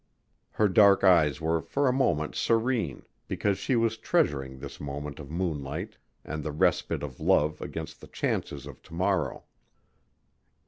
Her dark eyes were for a moment serene because she was treasuring this moment of moonlight and the respite of love against the chances of to morrow.